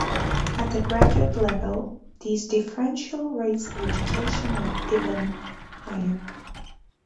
At the graduate level, these differential rates of education are even higher.